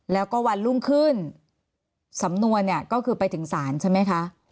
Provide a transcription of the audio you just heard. แล้วก็วันรุ่งขึ้นสำนวนเนี่ยก็คือไปถึงศาลใช่ไหมคะ